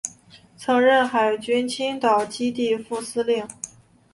曾任海军青岛基地副司令员。